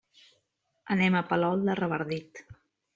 Anem a Palol de Revardit.